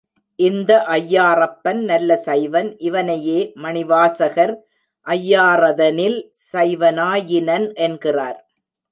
இந்த ஐயாறப்பன் நல்ல சைவன், இவனையே மணிவாசகர், ஐயாறதனில் சைவனாயினன் என்கிறார்.